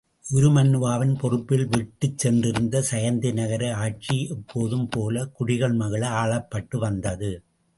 உருமண்ணுவாவின் பொறுப்பில் விட்டுச் சென்றிருந்த சயந்தி நகர ஆட்சி எப்போதும் போலக் குடிகள் மகிழ ஆளப்பட்டு வந்தது.